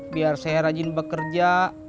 biar saya rajin bekerja